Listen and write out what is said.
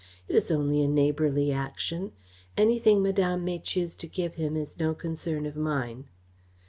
It is only a neighbourly action. Anything Madame may choose to give him is no concern of mine."